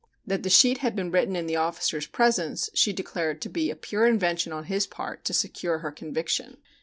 That the sheet had been written in the officer's presence she declared to be a pure invention on his part to secure her conviction.